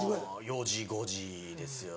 ４時５時ですよね。